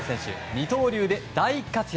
二刀流で大活躍。